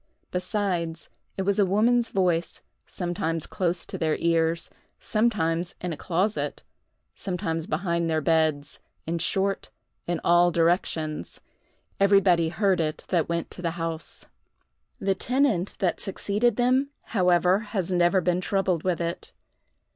Besides, it was a woman's voice, sometimes close to their ears, sometimes in a closet, sometimes behind their beds—in short, in all directions. Everybody heard it that went to the house. The tenant that succeeded them, however, has never been troubled with it.